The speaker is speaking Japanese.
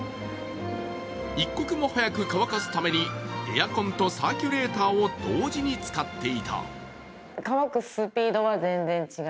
一刻も早く乾かすために、エアコンとサーキュレーターを同時に使っていた。